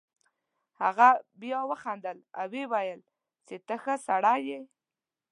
هغه بیا وخندل او ویې ویل چې ته ښه سړی یې.